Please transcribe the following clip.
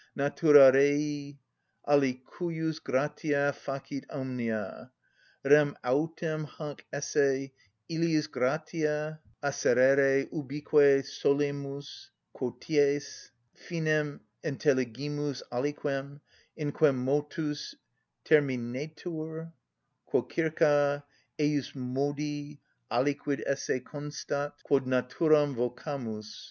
—Natura rei alicujus gratia facit omnia.—Rem autem hanc esse illius gratia asserere ubique solemus, quoties finem intelligimus aliquem, in quem motus terminetur; quocirca ejusmodi aliquid esse constat, quod Naturam vocamus.